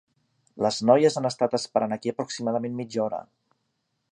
Les noies han estat esperant aquí aproximadament mitja hora.